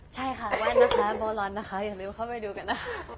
ใช่ค่ะแว่นนะคะโบราณนะคะอย่าลืมเข้าไปดูกันนะคะ